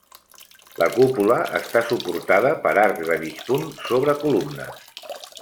La cúpula està suportada per arcs de mig punt sobre columnes.